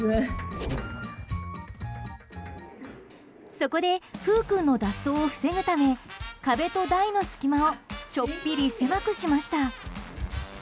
そこでふう君の脱走を防ぐため壁と台の隙間をちょっぴり狭くしました。